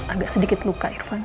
agak sedikit luka irfan